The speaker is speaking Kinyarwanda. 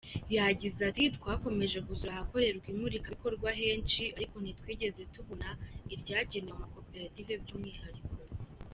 Yagize ati “ Twakomeje gusura ahakorerwa imurikabikorwa henshi ariko ntitwigeze tubona iryagenewe amakoperative by’umwihariko.